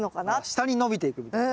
下に伸びていくみたいな。